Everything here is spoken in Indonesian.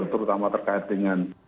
terutama terkait dengan